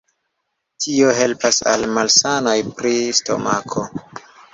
Tio helpas al malsanoj pri stomako.